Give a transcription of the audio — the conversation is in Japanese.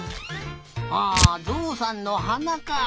あぞうさんのはなかあ。